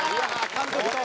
監督と。